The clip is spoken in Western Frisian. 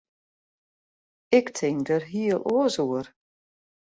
Ik tink der heel oars oer.